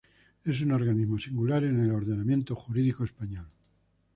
Es un organismo singular en el ordenamiento jurídico español.